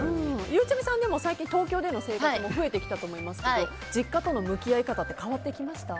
ゆうちゃみさんは東京での生活も増えてきたと思いますけど実家との向き合い方って変わってきました？